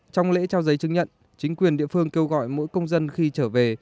trong lễ trao giấy chứng nhận chính quyền địa phương kêu gọi mỗi công dân khi trở về